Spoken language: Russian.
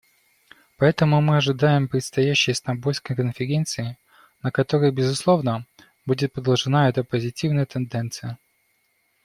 Поэтому мы ожидаем предстоящей Стамбульской конференции, на которой, безусловно, будет продолжена эта позитивная тенденция.